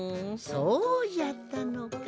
そうじゃったのか。